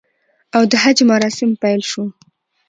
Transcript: او د حج مراسم پیل شو